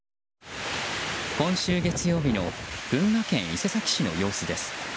今週月曜日の群馬県伊勢崎市の様子です。